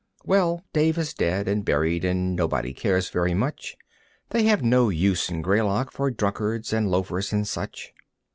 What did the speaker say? Well, Dave is dead and buried and nobody cares very much; They have no use in Greylock for drunkards and loafers and such.